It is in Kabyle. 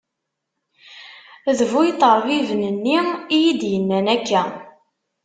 D bu iṭerbiben-nni i yi-d-yennan akka.